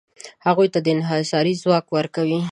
هغوی ته د انحصار ځواک ورکوي.